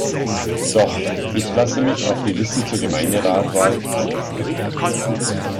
Doch, ich lasse mich auf die Liste zur Gemeinderatwahl setzen.